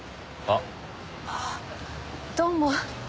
あっどうも。